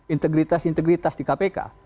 integritas integritas di kpk